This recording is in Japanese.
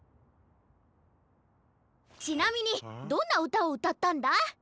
ちなみにどんなうたをうたったんだ？